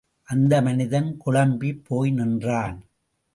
அந்த மனிதன் குழம்பிப் போய் நின்றான்.